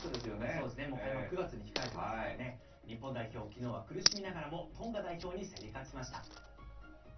そうですよね、開幕９月に控えてますからね、きのうは苦しみながらもトンガ代表に競り勝ちました。